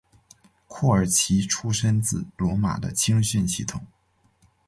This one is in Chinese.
库尔奇出身自罗马的青训系统。